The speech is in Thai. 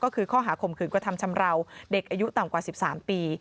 ก็คือข้อหาข่มขืนกระทำชำราวเด็กอายุต่ำกว่า๑๓ปี